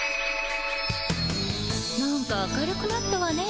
なんか明るくなったわね